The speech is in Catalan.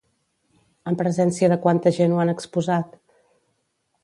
En presència de quanta gent ho han exposat?